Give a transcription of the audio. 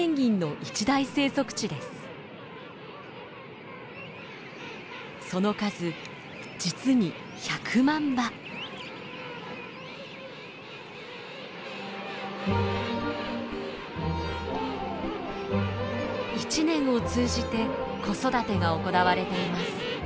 一年を通じて子育てが行われています。